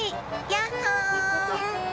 やっほ！